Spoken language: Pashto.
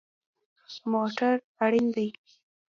موټر اړین دی